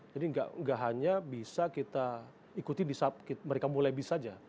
jadi gak hanya bisa kita ikuti di saat mereka mulai bis saja